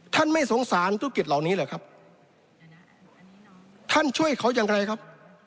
ไม่สงสารธุรกิจเหล่านี้เหรอครับท่านช่วยเขาอย่างไรครับ